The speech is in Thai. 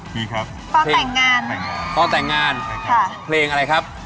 มีครับคล้องแต่งงานคล้องแต่งงานค่ะเพลงอะไรครับ